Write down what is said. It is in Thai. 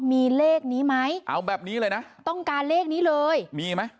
มีเลขนี้ไหมเอาแบบนี้เลยนะต้องการเลขนี้เลยมีไหม